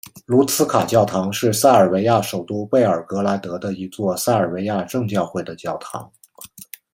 卢茨卡教堂是塞尔维亚首都贝尔格莱德的一座塞尔维亚正教会的教堂。